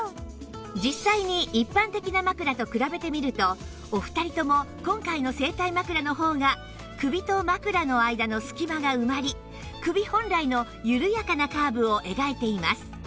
実際に一般的な枕と比べてみるとお二人とも今回の整体枕の方が首と枕の間の隙間が埋まり首本来の緩やかなカーブを描いています